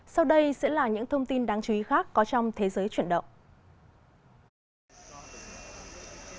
sau đây sẽ là những thông tin đáng chú ý khác có trong thế giới chuyển động